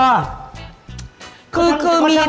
ตรงนั้นตรงนั้น